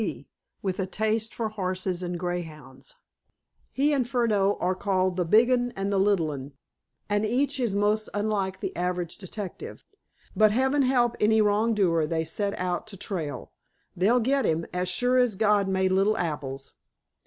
P., with a taste for horses and greyhounds. He and Furneaux are called the Big 'Un and the Little 'Un, and each is most unlike the average detective. But Heaven help any wrong doer they set out to trail! They'll get him, as sure as God made little apples."